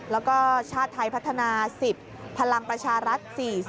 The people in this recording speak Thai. แล้วก็ชาติไทยพัฒนา๑๐พลังประชารัฐ๔๐